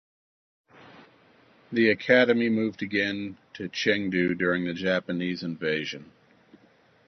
The academy moved again to Chengdu during the Japanese invasion.